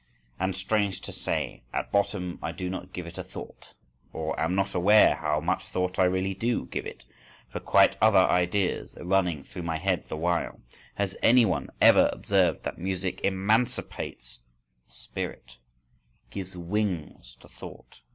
—And, strange to say, at bottom I do not give it a thought, or am not aware how much thought I really do give it. For quite other ideas are running through my head the while.… Has any one ever observed that music emancipates the spirit? gives wings to thought?